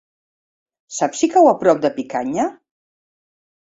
Saps si cau a prop de Picanya?